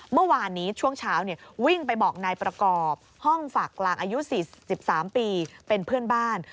เมื่อวานนี้ช่วงเช้าวิ่งไปบอกนายประกอบห้องฝากกลางอายุ๔๓ปีเป็นเพื่อนบ้าน